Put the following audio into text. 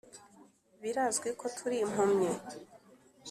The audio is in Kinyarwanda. Birazwi ko turi impumyi